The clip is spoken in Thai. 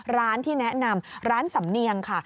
ร้านที่แนะนำร้านสำเนียงค่ะ